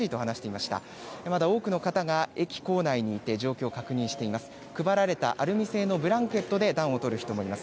また多くの方が駅構内にいて状況を確認しています。